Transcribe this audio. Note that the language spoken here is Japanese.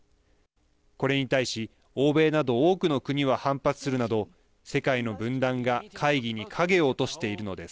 これに対し欧米など多くの国は反発するなど世界の分断が会議に影を落としているのです。